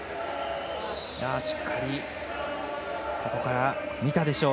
しっかりここから見たでしょう。